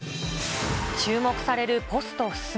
注目されるポスト菅。